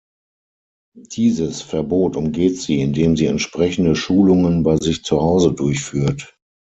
Dieses Verbot umgeht sie, indem sie entsprechende Schulungen bei sich zu Hause durchführt.